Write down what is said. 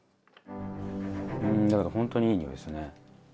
うんだけどほんとにいい匂いですね。